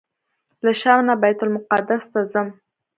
له شام نه بیت المقدس ته ځم.